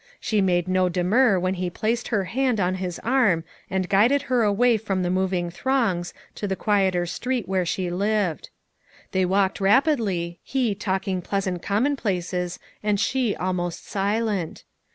She made no demur when he placed her hand on his arm and guided her away from the moving throngs to the quieter street where she lived. They walked rapidly, he talking pleasant common places and she almost silent.